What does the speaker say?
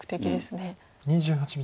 ２８秒。